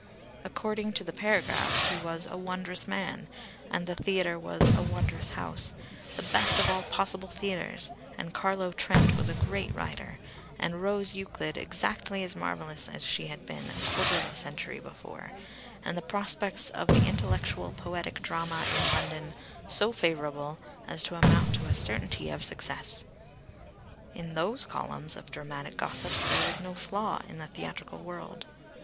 According to the paragraphs, he was a wondrous man, and the theatre was a wondrous house, the best of all possible theatres, and Carlo Trent was a great writer, and Rose Euclid exactly as marvellous as she had been a quarter of a century before, and the prospects of the intellectual poetic drama in London so favourable as to amount to a certainty of success. In those columns of dramatic gossip there was no flaw in the theatrical world.